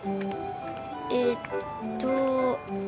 えっと。